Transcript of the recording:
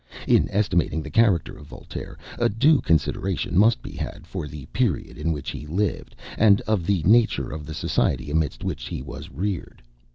In estimating the character of Voltaire, a due consideration must be had for the period in which he lived, and of the nature of the society amidst which he was reared.